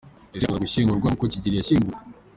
Ese yakwifuza gushyingurwa nguko Kigeli yashyinguwe?